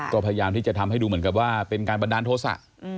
ก็พยายามที่จะทำให้ดูเหมือนกับว่าเป็นการบันดาลโทษะ